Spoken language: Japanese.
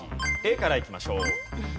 Ａからいきましょう。